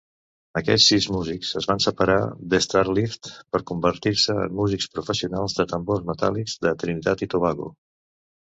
Aquests sis músics es van separar d'Starlift per convertir-se en músics professionals de tambors metàl·lics de Trinitat i Tobago.